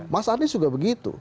mas andi juga begitu